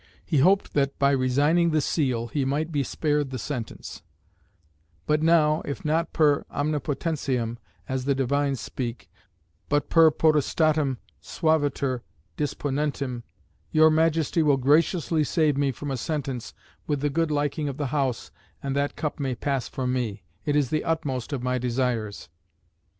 He hoped that, by resigning the seal, he might be spared the sentence: "But now if not per omnipotentiam (as the divines speak), but per potestatem suaviter disponentem, your Majesty will graciously save me from a sentence with the good liking of the House, and that cup may pass from me; it is the utmost of my desires.